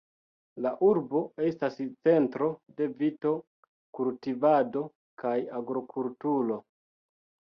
La urbo estas centro de vito-kultivado kaj agrokulturo.